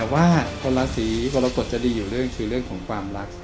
ว่าคนละสีกรกฎจะดีอยู่คือเรื่องของความรัก